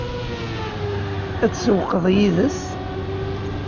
Ad tsewwqeḍ yid-s?